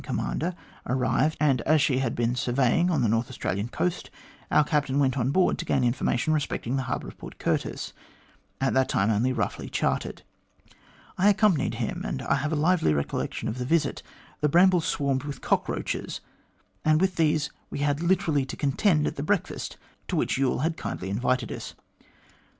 commander, arrived, and as she had been surveying on the North Australian coast, our captain went on board to gain information respecting the harbour of Port Curtis at that time only roughly charted. I accompanied him, and I have a lively recollection of the visit. The Bramble swarmed with cockroaches, and with these we had literally to contend at the breakfast to which Youl had kindly invited us.